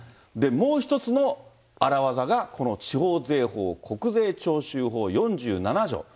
もう一つの荒業がこの地方税法・国税徴収法４７条。